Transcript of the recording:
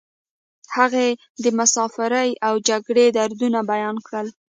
هغې د مسافرۍ او جګړې دردونه بیان کړل